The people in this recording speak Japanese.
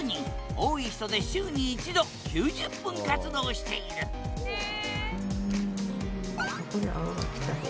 多い人で週に１度９０分活動しているへえ！